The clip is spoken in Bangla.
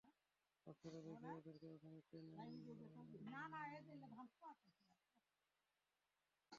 বাক্সটা দেখিয়ে ওদেরকে ওখানে টেনে আনবো আমরা, ওরা ওটাই চায়।